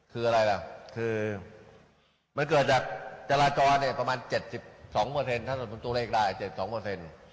คืออะไรล่ะคือมันเกิดจากจราจรเนี่ยประมาณ๗๒ถ้าสมมุติตัวเลขได้๗๒เปอร์เซ็นต์